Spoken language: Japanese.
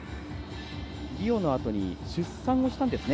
リオのあとに出産をしたんですね。